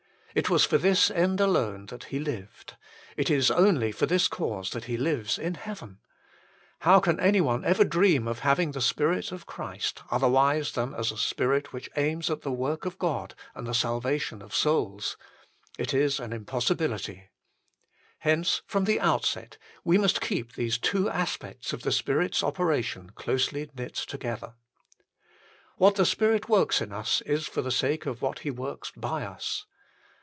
It was for this end alone that He lived : it is only for this cause that He lives in heaven. How can anyone ever dream of having the 1 1 Cor. xiii. 13. HOW IT MAY BE KEPT 103 Spirit of Christ otherwise than as a Spirit which aims at the work of God and the salvation of souls ? It is an impossibility. Hence from the outset we must keep these two aspects of the Spirit s operation closely knit together. What the Spirit works in us is for the sake of what He works by us.